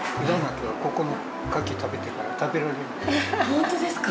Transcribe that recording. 本当ですか。